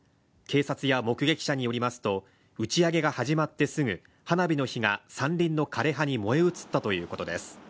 警察や目撃者によりますと打ち上げが始まってすぐ花火の火が山林の枯れ葉に燃え移ったということです。